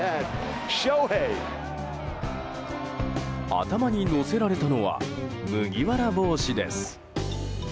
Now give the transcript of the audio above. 頭に乗せられたのは麦わら帽子です。